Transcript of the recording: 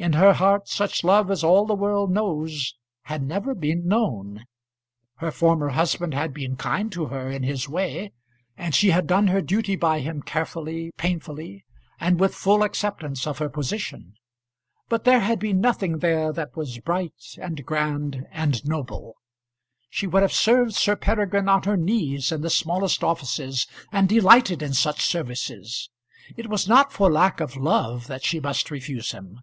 In her heart such love as all the world knows had never been known. Her former husband had been kind to her in his way, and she had done her duty by him carefully, painfully, and with full acceptance of her position. But there had been nothing there that was bright, and grand, and noble. She would have served Sir Peregrine on her knees in the smallest offices, and delighted in such services. It was not for lack of love that she must refuse him.